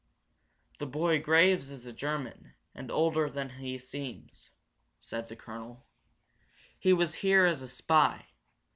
"The boy Graves is a German, and older than he seems," said the colonel. "He was here as a spy.